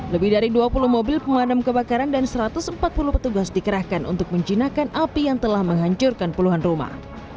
lebih dari dua puluh mobil pemadam kebakaran dan satu ratus empat puluh petugas dikerahkan untuk menjinakkan api yang telah menghancurkan puluhan rumah